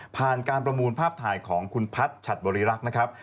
ผ่านการประมูลภาพถ่ายของคุณพัฒน์ฉัดบริรักษ์นะครับ